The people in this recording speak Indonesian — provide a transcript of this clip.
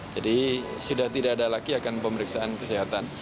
jadi sudah tidak ada lagi akan pemeriksaan kesehatan